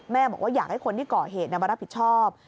บอกว่าอยากให้คนที่ก่อเหตุมารับผิดชอบ